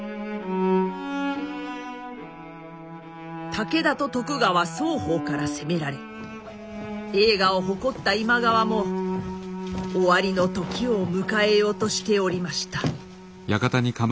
武田と徳川双方から攻められ栄華を誇った今川も終わりの時を迎えようとしておりました。